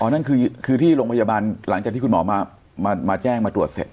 นั่นคือที่โรงพยาบาลหลังจากที่คุณหมอมาแจ้งมาตรวจเสร็จ